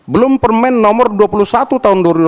belum permen nomor dua puluh satu tahun dua ribu delapan belas